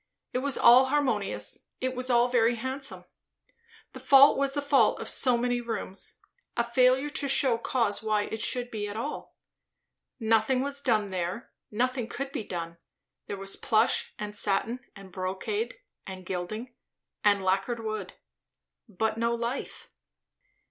It was all harmonious, it was all very handsome; the fault was the fault of so many rooms, a failure to shew cause why it should be at all. Nothing was done there, nothing could be done; there was plush and satin and brocade and gilding and lacquered wood; but no life.